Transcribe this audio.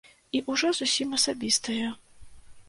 І ўжо зусім асабістае.